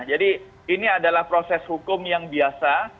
jadi ini adalah proses hukum yang biasa